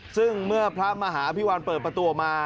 ซึ่งเมื่อพระมหาพิวัลเปิดประตูออกมา